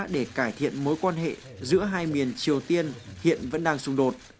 để cải thiện mối quan hệ giữa hai miền triều tiên hiện vẫn đang xung đột